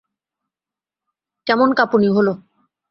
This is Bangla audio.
কেমন কাঁপুনি হলো।